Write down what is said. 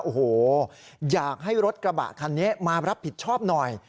โอ้โหอยากให้รถกระบะคันนี้มารับผิดชอบหน่อย